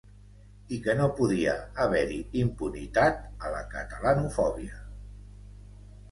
I que no podia haver-hi impunitat a la catalanofòbia.